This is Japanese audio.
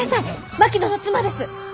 槙野の妻です！